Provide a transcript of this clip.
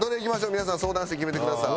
皆さん相談して決めてください。